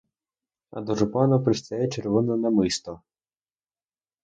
А до жупана пристає червоне намисто!